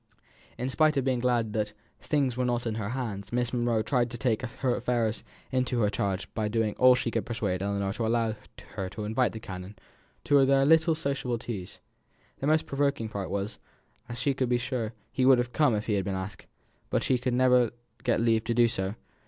In spite of being glad that "things were not in her hands" Miss Monro tried to take affairs into her charge by doing all she could to persuade Ellinor to allow her to invite the canon to their "little sociable teas." The most provoking part was, that she was sure he would have come if he had been asked; but she could never get leave to do so.